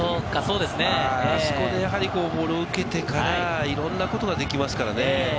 あそこでボールを受けてから、いろんなことができますからね。